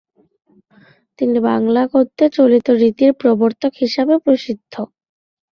তিনি বাংলা গদ্যে চলিত রীতির প্রবর্তক হিসাবে প্রসিদ্ধ।